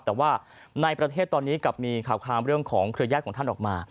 แต่ว่าในประเทศตอนนี้กลับมีข่าวความเรื่องของเครือญาติของท่านออกมา